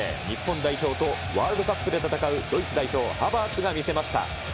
日本代表とワールドカップで戦うドイツ代表、ハバーツが見せました。